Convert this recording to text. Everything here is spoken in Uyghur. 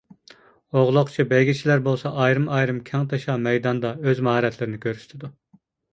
ئوغلاقچى، بەيگىچىلەر بولسا ئايرىم كەڭتاشا مەيداندا ئۆز ماھارەتلىرىنى كۆرسىتىدۇ.